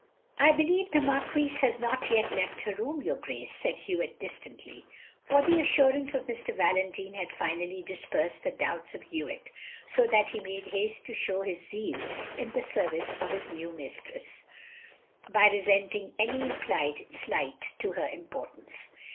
"I believe the Marquise has not yet left her room, your Grace, " said Hewitt distantly. For the assurances of Mr. Valentine had finally dispersed the doubts of Hewitt, so that he made haste to show his zeal in the service of his new mistress, by resenting any implied slight to her importance.